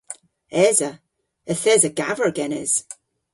Esa. Yth esa gaver genes.